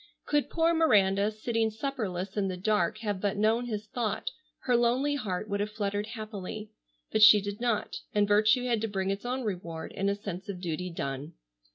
Could poor Miranda, sitting supperless in the dark, have but known his thought, her lonely heart would have fluttered happily. But she did not, and virtue had to bring its own reward in a sense of duty done.